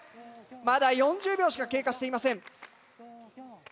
まだ４０秒しか経過していません。